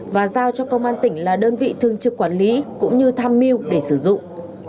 và giao cho công an tỉnh là đơn vị thường trực quản lý cũng như tham mưu để sử dụng